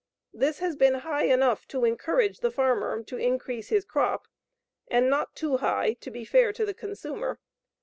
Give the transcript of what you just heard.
This has been high enough to encourage the farmer to increase his crop and not too high to be fair to the consumer.